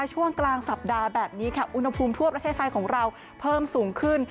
ช่วงกลางสัปดาห์แบบนี้ค่ะอุณหภูมิทั่วประเทศไทยของเราเพิ่มสูงขึ้น